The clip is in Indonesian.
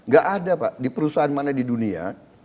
gak ada pak di perusahaan mana di dunia